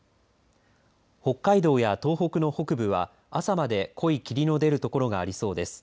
北海道や東北の北部は朝まで濃い霧の出るところがありそうです。